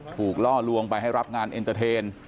ล่อลวงไปให้รับงานเอ็นเตอร์เทน